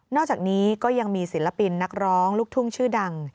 อกจากนี้ก็ยังมีศิลปินนักร้องลูกทุ่งชื่อดัง